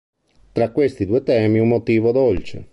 Tra questi due temi un motivo dolce.